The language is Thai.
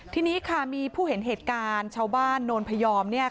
ทีนี้ค่ะมีผู้เห็นเหตุการณ์ชาวบ้านโนนพยอม